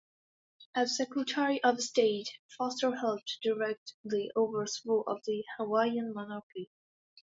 As Secretary of State, Foster helped direct the overthrow of the Hawaiian monarchy.